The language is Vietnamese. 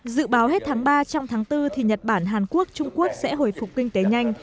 dự báo hết tháng ba trong tháng bốn thì nhật bản hàn quốc trung quốc sẽ hồi phục kinh tế nhanh